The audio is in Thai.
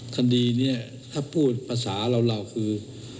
คดีนี้ถ้าพูดภาษาเราคือ